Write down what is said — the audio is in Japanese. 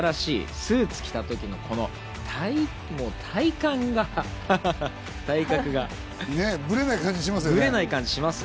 スーツ着たときの体幹が、体格がぶれない感じしますよね。